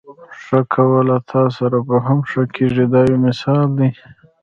ښه کوه له تاسره به هم ښه کېږي دا یو اصل دی.